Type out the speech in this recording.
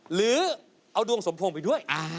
หรือเอาดวงสมพงษ์ไปด้วย